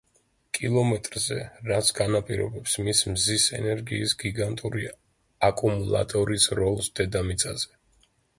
კილომეტრზე, რაც განაპირობებს მის მზის ენერგიის გიგანტური აკუმულატორის როლს დედამიწაზე.